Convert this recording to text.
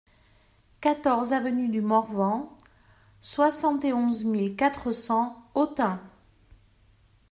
quatorze avenue du Morvan, soixante et onze mille quatre cents Autun